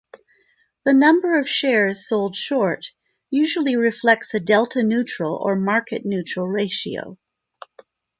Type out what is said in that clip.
The number of shares sold short usually reflects a delta-neutral or market-neutral ratio.